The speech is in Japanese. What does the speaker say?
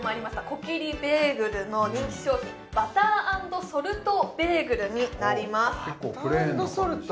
コキリベーグルの人気商品バター＆ソルトベーグルになりますバター＆ソルト？